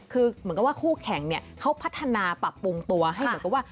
คือเหมือนกับว่าคู่แข่งเนี่ยเขาพัฒนาปรับปรุงตัวให้เหมือนกับว่า